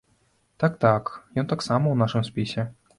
Так, так, ён таксама ў нашым спісе.